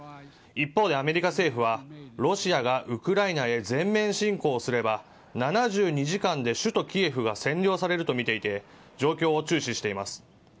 一方でアメリカ政府はロシアがウクライナへ全面侵攻すれば７２時間で首都キエフが占領されるとみていて状況を注視しています。